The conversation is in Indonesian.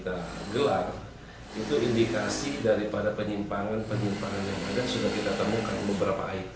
kita gelar itu indikasi daripada penyimpangan penyimpangan yang ada sudah kita temukan beberapa item